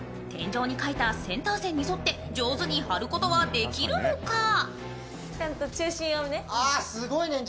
天井に書いたセンター線に沿って上手に貼ることはできるのか。